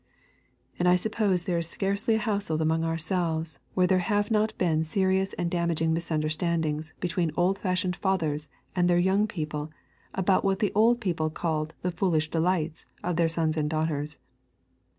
And I suppose there is scarcely a household among ourselves where there have not been serious and damaging misunderstandings between old fashioned fathers and their young people about what the old people called the 'foolish delights' of their sons and daughters.